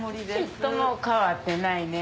ちっとも変わってないね。